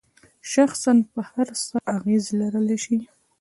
شخصاً پر هر څه اغیز لرلای شي.